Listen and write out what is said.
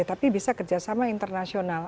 tapi bisa kerjasama internasional